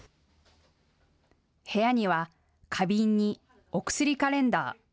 部屋には花瓶にお薬カレンダー。